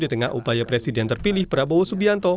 di tengah upaya presiden terpilih prabowo subianto